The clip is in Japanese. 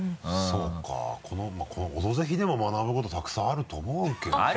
そうかこの「オドぜひ」でも学ぶことたくさんあると思うけどさ。